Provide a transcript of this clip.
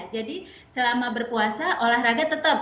jadi selama berpuasa olahraga tetap